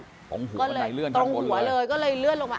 ตรงหัวก็เลยเลื่อนตรงหัวเลยก็เลยเลื่อนลงมา